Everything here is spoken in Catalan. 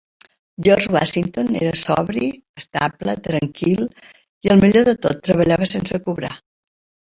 George Washington era sobri, estable, tranquil i, el millor de tot, treballava sense cobrar.